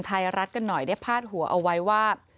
ไทยรัฐกันหน่อยได้พาดหัวเอาไว้ว่า